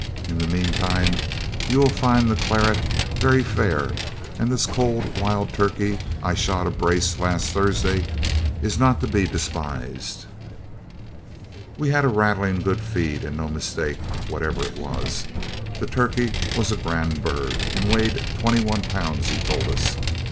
In the meantime you will find the claret very fair, and this cold wild turkey I shot a brace last Thursday is not to be despised.' We had a rattling good feed, and no mistake, whatever it was. The turkey was a grand bird, and weighed 21 lb., he told us.